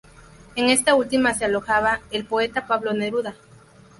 En esta última se alojaba el poeta Pablo Neruda.